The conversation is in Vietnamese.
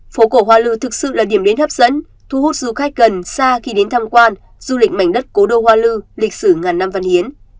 phố cổ hoa lư thực sự là điểm đến hấp dẫn thu hút du khách gần xa khi đến tham quan du lịch mảnh đất cố đô hoa lư lịch sử ngàn năm văn hiến